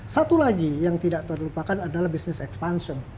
satu lagi yang tidak terlupakan adalah business expansion